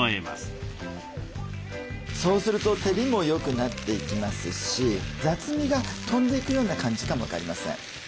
そうすると照りもよくなっていきますし雑味が飛んでいくような感じかも分かりません。